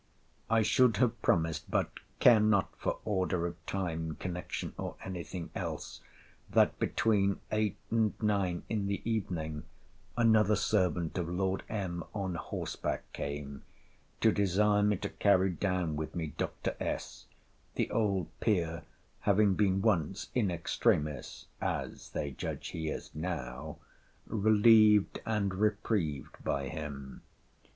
I should have promised (but care not for order of time, connection, or any thing else) that, between eight and nine in the evening, another servant of Lord M. on horseback came, to desire me to carry down with me Dr. S., the old peer having been once (in extremis, as they judge he is now) relieved and reprieved by him.